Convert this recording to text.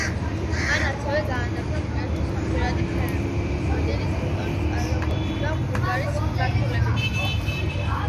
მან ასევე განაახლა კვირაში სამჯერადი ფრენები ლონდონის ლუტონის აეროპორტიდან ბურგასის მიმართულებით.